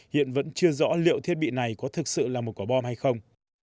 hiện vẫn chưa rõ liệu thiết bị này có thực sự là một quả bom hay không